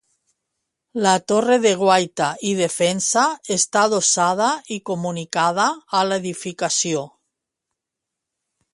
La torre de guaita i defensa està adossada i comunicada a l'edificació.